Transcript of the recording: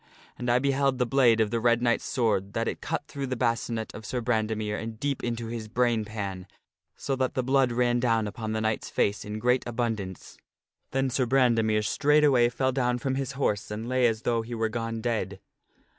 And I beheld the blade of the Red Knight's sword that it cut through the bascinet of Sir Brandemere and deep into his brain pan, so that the blood ran down upon the knight's face in great abundance. Then Sir Brandemere straightway fell down from his horse and lay as though he were gone dead.